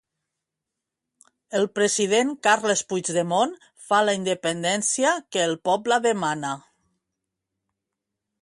El President Carles Puigdemont fa la independència que el poble demana